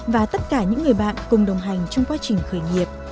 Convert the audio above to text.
và tất cả những người bạn cùng đồng hành trong quá trình khởi nghiệp